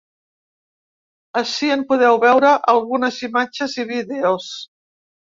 Ací en podeu veure algunes imatges i vídeos.